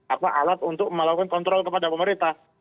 apa alat untuk melakukan kontrol kepada pemerintah